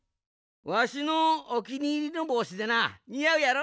わしのおきにいりのぼうしでなにあうやろ？